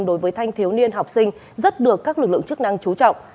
đối với thanh thiếu niên học sinh rất được các lực lượng chức năng chú trọng